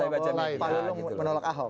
pak lulung menolak ahok